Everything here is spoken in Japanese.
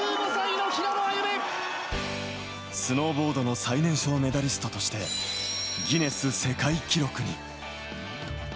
スノーボードの最年少メダリストとして、ギネス世界記録に。